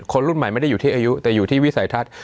คนรุ่นใหม่ไม่ได้อยู่ที่อายุแต่อยู่ที่วิสัยทัศน์